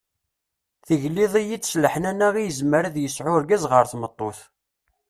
Tegliḍ-iyi-d s leḥnana i yezmer ad yesɛu urgaz ɣer tmeṭṭut.